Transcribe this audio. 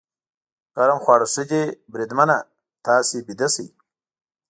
ګرم خواړه ښه دي، بریدمنه، تاسې ویده شئ.